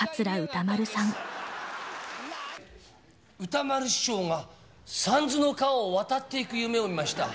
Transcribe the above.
歌丸師匠が三途の川を渡っていく夢を見ました。